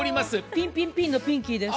ピンピンピンのピンキーです。